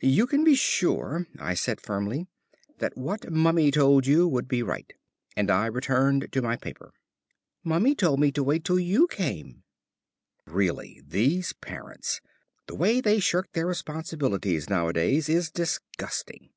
"You can be sure," I said firmly, "that what Mummy told you would be right," and I returned to my paper. "Mummy told me to wait till you came." Really, these parents! The way they shirk their responsibilities nowadays is disgusting.